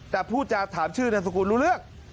แต่ผู้จัดทามชื่อในสกุลรู้เลือก